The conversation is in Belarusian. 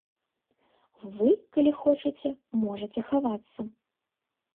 Вы, калі хочаце, можаце хавацца.